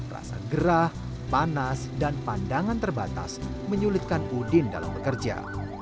rasa gerah panas dan pandangan terbatas menyulitkan udin dalam bekerja